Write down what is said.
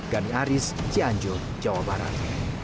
dari aris janjo jawa barat